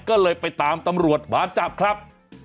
ก็เลยไปตามตำรวจมาจับครับ